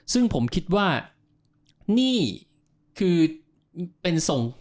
ซึ่งผมคิดว่านี่คือเป็นส่ง